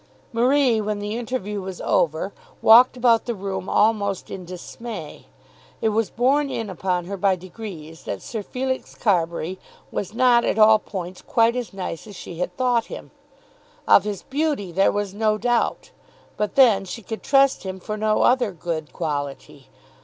Marie, when the interview was over, walked about the room almost in dismay. It was borne in upon her by degrees that Sir Felix Carbury was not at all points quite as nice as she had thought him. Of his beauty there was no doubt; but then she could trust him for no other good quality.